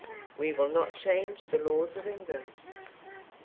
We will not change the laws of England.